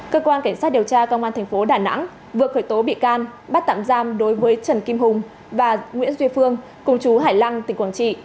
cơ quan cảnh sát điều tra công an thành phố đà nẵng vừa khởi tố bị can bắt tạm giam đối với trần kim hùng và nguyễn duy phương cùng chú hải lăng tỉnh quảng trị